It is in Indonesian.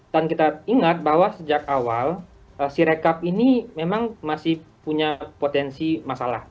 dan kita ingat bahwa sejak awal si rekap ini memang masih punya potensi masalah